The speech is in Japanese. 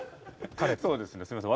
そうですねすみません。